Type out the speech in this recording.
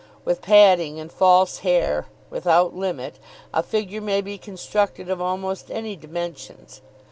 With padding and false hair without limit a figure may be constructed of almost any dimensions.